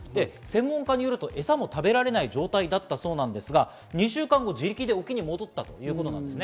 専門家によるとエサも食べられない状態だったそうですが、２週間後、自力で沖に戻ったということです。